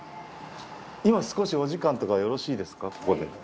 今少しお時間とかよろしいですかここで。